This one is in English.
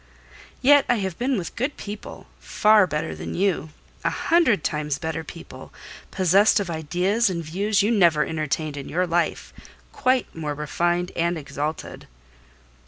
"Yet I have been with good people; far better than you: a hundred times better people; possessed of ideas and views you never entertained in your life: quite more refined and exalted."